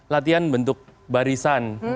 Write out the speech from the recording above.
latihan bentuk barisan